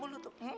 mangap dulu tuh